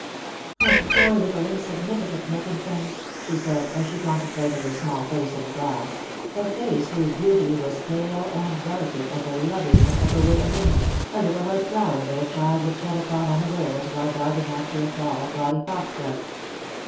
" I'm a poor little insignificant looking thing," she said, as she contemplated her small face in the glass— a face whose beauty was pale and delicate as the loveliness of a wood anemone, a little white flower that a child would tread upon unawares while darting after a tall gaudy foxglove.